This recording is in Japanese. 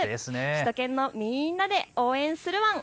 首都圏のみんなで応援するワン！